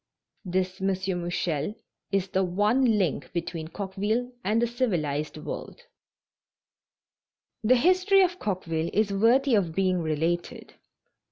This M. Mouchel is the one link between Coqueville and the civilized world. The history of Coqueville is worthy of being related.